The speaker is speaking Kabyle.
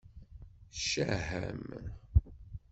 Ccah-am!